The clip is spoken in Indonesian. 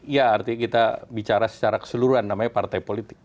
ya artinya kita bicara secara keseluruhan namanya partai politik